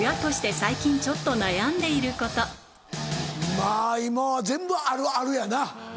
まぁ今は全部あるあるやな。